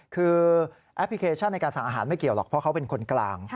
คือแอปพลิเคชันในการสั่งอาหารไม่เกี่ยวหรอกเพราะเขาเป็นคนกลาง